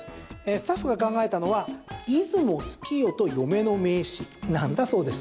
スタッフが考えたのは出雲好きよと嫁の名刺なんだそうです。